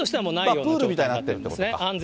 プールみたいになってるってことか。